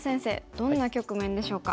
どんな局面でしょうか。